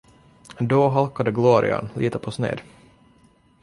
Då halkade glorian lite på sned.